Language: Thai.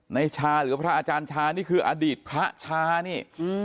ในชาหรือพระอาจารย์ชานี่คืออดีตพระชานี่